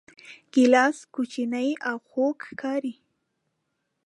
ګیلاس کوچنی او خوږ ښکاري.